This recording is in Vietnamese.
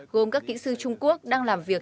gồm các kỹ sư trung quốc đang làm việc